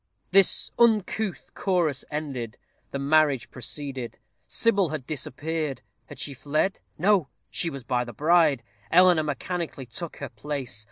This uncouth chorus ended, the marriage proceeded. Sybil had disappeared. Had she fled? No! she was by the bride. Eleanor mechanically took her place.